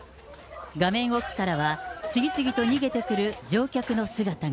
画面奥からは次々と逃げてくる乗客の姿が。